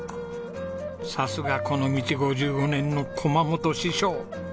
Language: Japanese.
さすがこの道５５年の駒本師匠！